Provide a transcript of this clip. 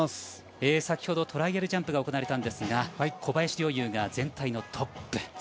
先ほどトライアルジャンプが行われたんですが小林陵侑が全体のトップ。